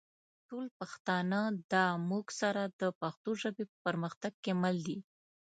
ټول پښتانه دا مونږ سره د پښتو ژبې په پرمختګ کې مل دي